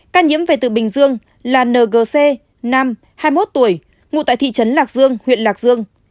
ca nhiễm về từ bình dương là ngc nam hai mươi một tuổi ngụ tại thị trấn lạc dương huyện lạc dương